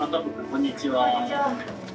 こんにちは。